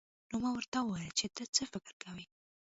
نو ما ورته وويل چې ته څه فکر کوې.